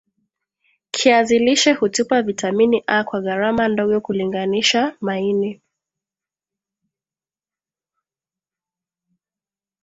kiazi lishe hutupa vitamini A kwa gharama ndogo kulinganisha maini